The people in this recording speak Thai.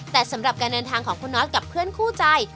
แต่สำหรับการเดินทางของคุณน็อตกับเพื่อนคู่ใจ